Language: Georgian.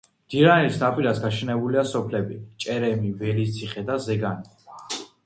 მდინარის ნაპირას გაშენებულია სოფლები: ჭერემი, ველისციხე და ზეგაანი.